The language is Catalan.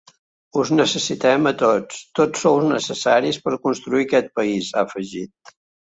“Us necessitem a tots, tots sou necessaris per construir aquest país”, ha afegit.